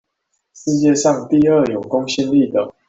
世界上第二有公信力的